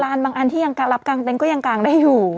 บางอันที่ยังรับกลางเต็นต์ก็ยังกางได้อยู่